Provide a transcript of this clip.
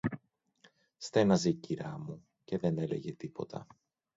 Στέναζε η κυρά μου, και δεν έλεγε τίποτα